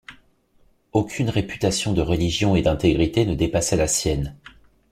Aucune réputation de religion et d’intégrité ne dépassait la sienne.